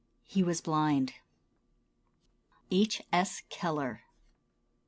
He was blind. H. S. Keller.